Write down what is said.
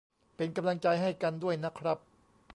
เป็นกำลังใจให้กันด้วยนะครับ